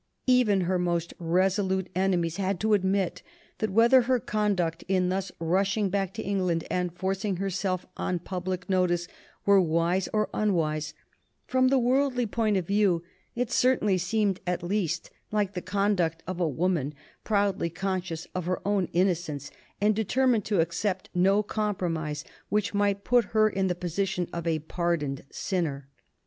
Even her most resolute enemies had to admit that whether her conduct in thus rushing back to England and forcing herself on public notice were wise or unwise, from the worldly point of view, it certainly seemed at least like the conduct of a woman proudly conscious of her own innocence, and determined to accept no compromise which might put her in the position of a pardoned sinner.